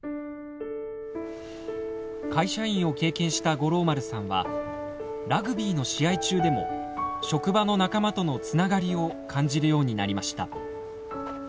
会社員を経験した五郎丸さんはラグビーの試合中でも職場の仲間とのつながりを感じるようになりました。